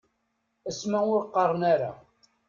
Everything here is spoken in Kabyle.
Asma ur qqaren ara.